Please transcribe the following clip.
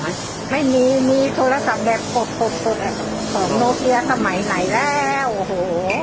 ไม่มีมีโทรศัพท์แบบโปรดของโมเซียสมัยไหนแล้ว